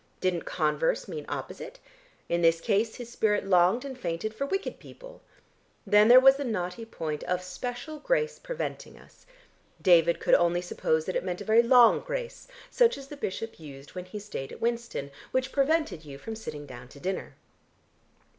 Didn't "converse" mean opposite? In this case his spirit longed and fainted for wicked people.... Then there was the knotty point of "special grace preventing us." David could only suppose that it meant a very long grace, such as the bishop used when he stayed at Winston, which prevented you from sitting down to dinner....